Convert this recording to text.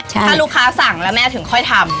ถ้าลูกค้าสั่งแล้วแม่ถึงค่อยทำ